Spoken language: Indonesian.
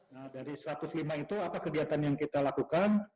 nah dari satu ratus lima itu apa kegiatan yang kita lakukan